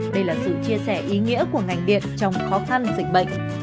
đây là sự chia sẻ ý nghĩa của ngành điện trong khó khăn dịch bệnh